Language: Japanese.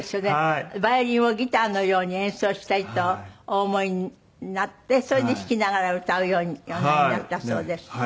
ヴァイオリンをギターのように演奏したいとお思いになってそれで弾きながら歌うようにおなりになったそうです。